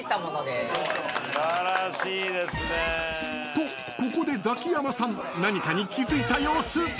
［とここでザキヤマさん何かに気付いた様子］